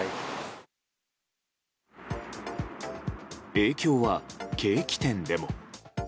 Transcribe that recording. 影響はケーキ店でも。